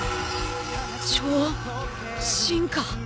超進化？